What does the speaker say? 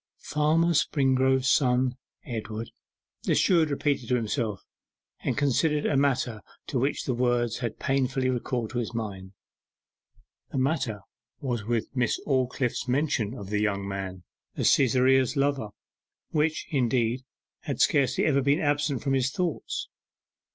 'Farmer Springrove's son, Edward,' the steward repeated to himself, and considered a matter to which the words had painfully recalled his mind. The matter was Miss Aldclyffe's mention of the young man as Cytherea's lover, which, indeed, had scarcely ever been absent from his thoughts.